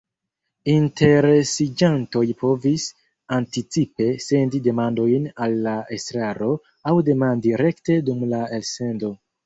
Interesiĝantoj povis anticipe sendi demandojn al la estraro, aŭ demandi rekte dum la elsendo.